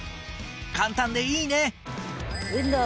簡単でいいね！